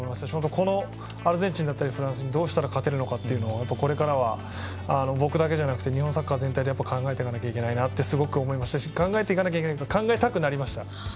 このアルゼンチンだったりフランスにどうしたら勝てるのかをこれからは僕だけじゃなくて日本サッカー全体で考えていかないといけないってすごく思いますし考えていかなきゃいけないというか考えたいなと思いました。